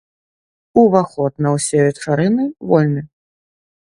Уваход на ўсе вечарыны вольны.